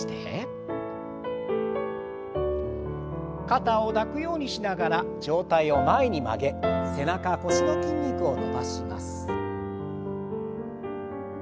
肩を抱くようにしながら上体を前に曲げ背中腰の筋肉を伸ばします。